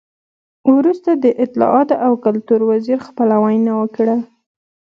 وروسته د اطلاعاتو او کلتور وزیر خپله وینا وکړه.